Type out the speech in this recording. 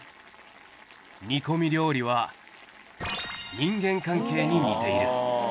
煮込み料理は人間関係に似ている。